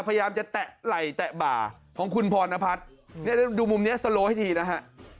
พยายามจะแตะไหล่แตะบ่าของคุณพรณพัฒน์เนี่ยดูมุมนี้สโลให้ทีนะฮะ